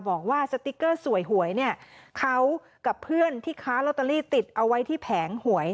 บอกว่าสติ๊กเกอร์สวยหวยเนี่ยเขากับเพื่อนที่ค้าลอตเตอรี่ติดเอาไว้ที่แผงหวย